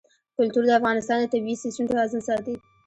کلتور د افغانستان د طبعي سیسټم توازن ساتي.